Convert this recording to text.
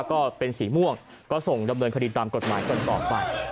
ก็เป็นสีม่วงก็ส่งดำเนินคดีตามกฎหมายกันต่อไป